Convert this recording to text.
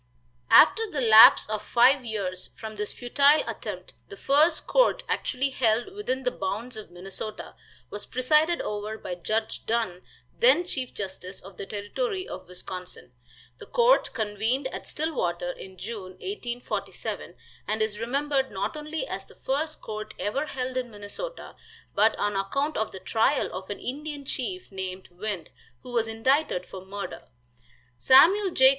After the lapse of five years from this futile attempt the first court actually held within the bounds of Minnesota was presided over by Judge Dunn, then chief justice of the Territory of Wisconsin. The court convened at Stillwater in June, 1847, and is remembered not only as the first court ever held in Minnesota, but on account of the trial of an Indian chief, named "Wind," who was indicted for murder. Samuel J.